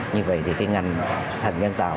như vậy thì ngành thận nhân tạo